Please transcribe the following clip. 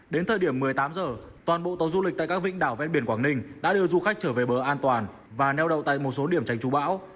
đến thời điểm một mươi tám h toàn bộ tàu du lịch tại các vĩnh đảo ven biển quảng ninh đã đưa du khách trở về bờ an toàn và neo đậu tại một số điểm tránh trú bão